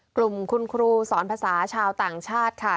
กลุ่มคุณครูสอนภาษาชาวต่างชาติค่ะ